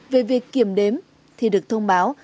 về việc kiểm đếm thì được thông báo